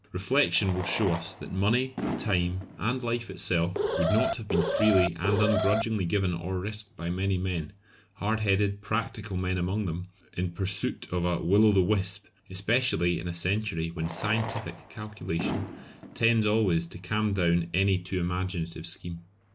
Reflection will show us that money, time, and life itself would not have been freely and ungrudgingly given or risked by many men hard headed, practical men among them in pursuit of a Will o' the Wisp, especially in a century when scientific calculation tends always to calm down any too imaginative scheme.